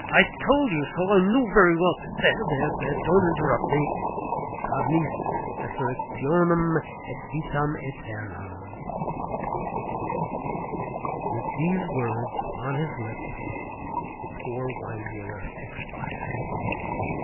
I told you so. I knew very well, there, there, don't interrupt me Carnis resurrectionem et vitam eternam!" With these words upon his lips, the poor wine dealer expired.